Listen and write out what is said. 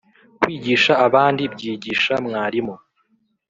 kwigisha abandi byigisha mwarimu